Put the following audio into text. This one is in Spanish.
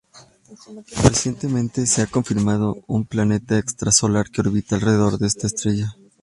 Recientemente se ha confirmado un planeta extrasolar que órbita alrededor esta estrella.